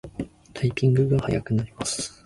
タイピングが早くなります